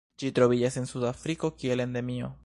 Ĝi troviĝas en Sudafriko kiel endemio.